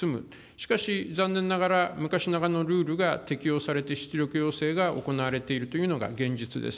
しかし、残念ながら、昔のルールが適用されて出力要請が行われているというのが現実です。